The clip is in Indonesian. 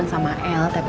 di sini tuh